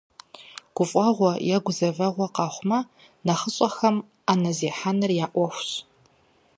Гуфӏэгъуэ е гузэвэгъуэ къэхъуамэ, нэхъыщӏэхэм, ӏэнэ зехьэныр я ӏуэхущ.